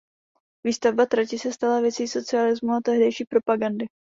Výstavba trati se stala věcí socialismu a tehdejší propagandy.